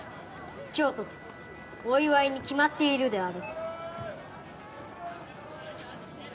今日とてお祝いに決まっているであろう。